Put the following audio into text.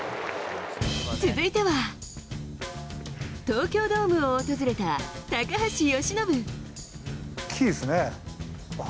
続いては東京ドームを訪れた高橋由伸。